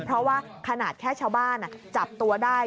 เพราะว่าขนาดแค่ชาวบ้านจับตัวได้